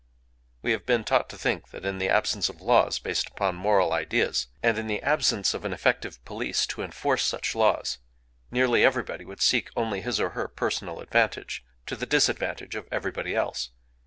We have been taught to think that in the absence of laws based upon moral ideas, and in the absence of an effective police to enforce such laws, nearly everybody would seek only his or her personal advantage, to the disadvantage of everybody else.